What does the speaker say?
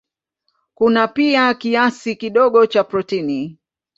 Kuna pia kiasi kidogo cha protini.